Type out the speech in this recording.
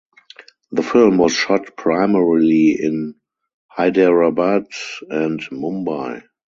The film was shot primarily in Hyderabad and Mumbai.